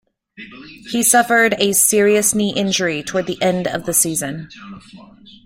He suffered a serious knee injury towards the end of the season.